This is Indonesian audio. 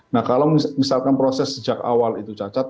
nah kalau misalkan proses sejak awal itu cacat